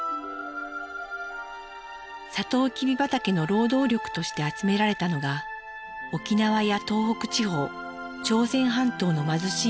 さとうきび畑の労働力として集められたのが沖縄や東北地方朝鮮半島の貧しい人々。